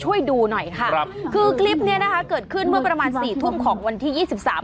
ช่วยดูหน่อยค่ะครับคือคลิปเนี้ยนะคะเกิดขึ้นเมื่อประมาณสี่ทุ่มของวันที่ยี่สิบสาม